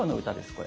これ。